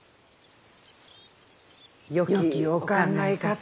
よきお考えかと。